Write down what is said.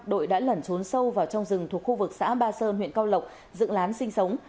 đội đã lẩn trốn sâu vào trong rừng thuộc khu vực xã ba sơn huyện cao lộc dựng lán sinh sống